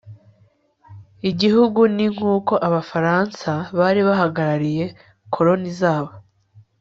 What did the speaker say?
igihugu ni nk uko abafaransa bari bahagarariye koroni zabo